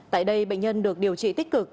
tại đây bệnh nhân được điều trị tích cực